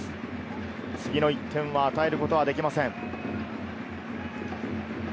次の１点を与えることはできません。